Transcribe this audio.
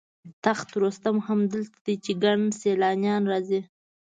تخت رستم هم دلته دی چې ګڼ سیلانیان راځي.